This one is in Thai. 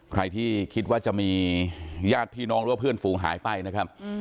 ใครที่คิดว่าจะมีญาติพี่น้องหรือว่าเพื่อนฝูงหายไปนะครับ